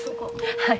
はい。